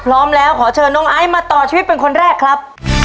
พร้อมแล้วขอเชิญน้องไอซ์มาต่อชีวิตเป็นคนแรกครับ